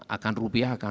akan rupiah akan